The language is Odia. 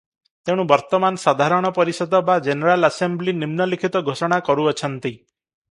ତେଣୁ ବର୍ତ୍ତମାନ ସାଧାରଣ ପରିଷଦ ବା ଜେନେରାଲ୍ ଆସେମ୍ବ୍ଲି ନିମ୍ନଲିଖିତ ଘୋଷଣା କରୁଅଛନ୍ତି ।